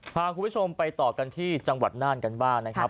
พาคุณผู้ชมไปต่อกันที่จังหวัดน่านกันบ้างนะครับ